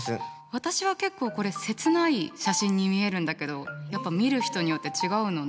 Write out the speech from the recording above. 私は結構これ切ない写真に見えるんだけどやっぱ見る人によって違うのね。